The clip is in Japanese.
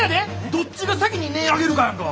どっちが先に音ぇ上げるかやんか。